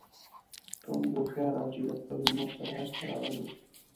کوم هوښیار حاجي له خپلې مور سره حج ته راغلی و.